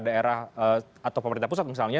daerah atau pemerintah pusat misalnya